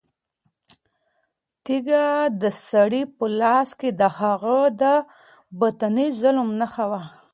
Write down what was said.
تیږه د سړي په لاس کې د هغه د باطني ظلم نښه وه.